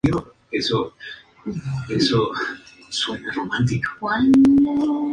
El nombre científico de la especie conmemora al naturalista alemán Dr S. Rey.